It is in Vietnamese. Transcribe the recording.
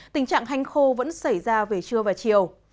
tình trạng hanh khô vẫn xảy ra về trưa và chiều